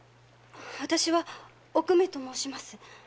私は“おくめ”と申します。